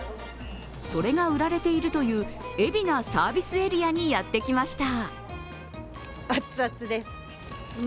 それが売られているという海老名サービスエリアにやってきました。